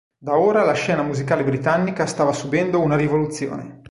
Da ora la scena musicale britannica stava subendo una rivoluzione.